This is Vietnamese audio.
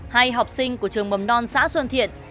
hai học sinh của trường mầm non xã xuân thiện